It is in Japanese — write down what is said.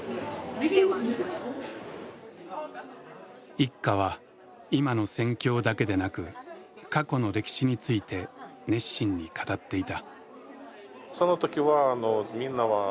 一家は今の戦況だけでなく過去の歴史について熱心に語っていた。